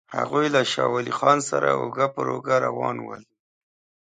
هغوی له شاه ولي خان سره اوږه پر اوږه روان ول.